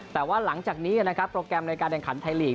แต่ว่าหลังจากนี้นะครับโปรแกรมในการแข่งขันไทยลีก